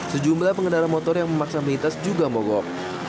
sejumlah pengendara motor yang memaksa melintas juga mogok